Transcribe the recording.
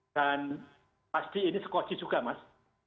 dan pasti ini sekoci juga mas